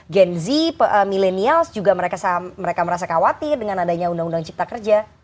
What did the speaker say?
gen z millenials juga mereka merasa khawatir dengan adanya undang undang cipta kerja